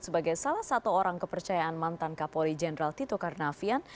sebagai salah satu orang kepercayaan mantan kapolri jenderal tito karnavian